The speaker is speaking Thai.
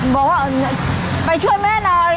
บอกว่าไปช่วยแม่หน่อย